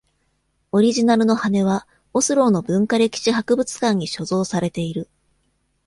オリジナルの羽根はオスローの文化歴史博物館に所蔵されている。